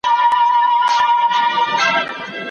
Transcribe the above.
آيا پلار د اولادونو د روزني مسؤليت لري؟